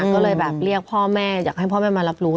ก็เลยแบบเรียกพ่อแม่อยากให้พ่อแม่มารับรู้